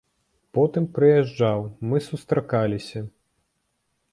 Потым прыязджаў, мы сустракаліся.